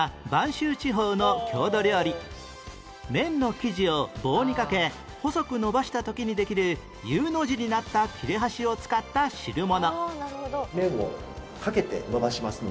麺の生地を棒にかけ細く延ばした時にできる Ｕ の字になった切れ端を使った汁物